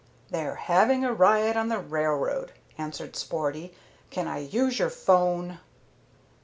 "They're having a riot on the railroad," answered Sporty. "Can I use your 'phone?"